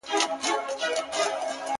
دوست په تنگسه کي په کارېږي، نه په خورنه.